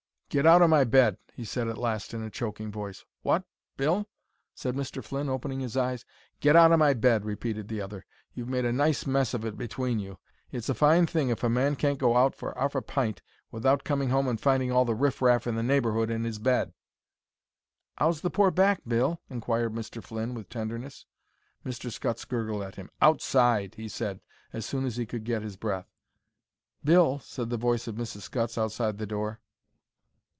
"Get out o' my bed," he said at last, in a choking voice. "What, Bill!" said Mr. Flynn, opening his eyes. "Get out o' my bed," repeated the other. "You've made a nice mess of it between you. It's a fine thing if a man can't go out for 'arf a pint without coming home and finding all the riffraff of the neighbourhood in 'is bed." "'Ow's the pore back, Bill?" inquired Mr. Flynn, with tenderness. Mr. Scutts gurgled at him. "Outside!" he said as soon as he could get his breath. "Bill," said the voice of Mrs. Scutts, outside the door.